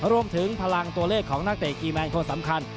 รวมถึงพลังตัวเลขของนักเตะอีแมนคนสำคัญ